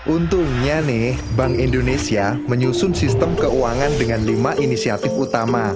untungnya nih bank indonesia menyusun sistem keuangan dengan lima inisiatif utama